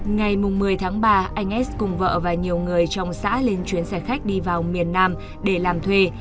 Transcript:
ngày một mươi tháng ba anh as cùng vợ và nhiều người trong xã lên chuyến xe khách đi vào miền nam để làm thuê